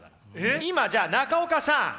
今じゃあ中岡さん。